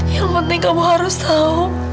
yang penting kamu harus tahu